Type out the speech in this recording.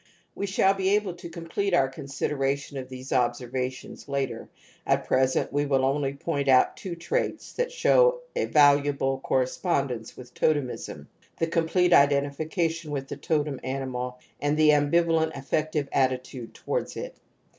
We shall be able to complete our consideration of these observations later ; at present we will > only point out two traits that show aCvaluable ( correspondence with totemism : the complete identification with the totem animal ••, a^d the ambivalent affective attitude towards it.